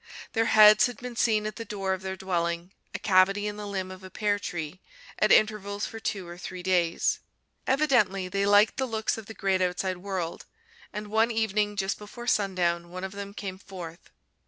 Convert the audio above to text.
Their heads had been seen at the door of their dwelling a cavity in the limb of a pear tree at intervals for two or three days. Evidently they liked the looks of the great outside world; and one evening, just before sundown, one of them came forth.